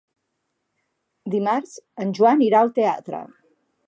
Dimarts en Joan irà al teatre.